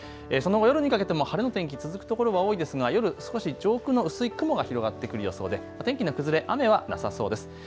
その後、夜にかけても晴れの天気続くところは多いですが夜少し上空の薄い雲が広がってくる予想で天気の崩れ雨はなさそうです。